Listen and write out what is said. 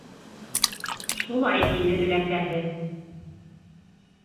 Шулай тине өләсәһе.